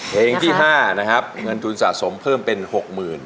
เพลงที่๕นะครับเงินทุนสะสมเพิ่มเป็น๖๐๐๐บาท